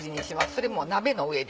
それも鍋の上で。